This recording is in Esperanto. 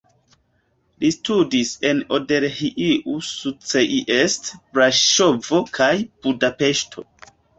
Li studis en Odorheiu Secuiesc, Braŝovo kaj Budapeŝto.